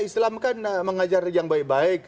islam kan mengajar yang baik baik